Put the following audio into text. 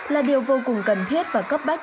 là điều vô cùng cần thiết và cấp bách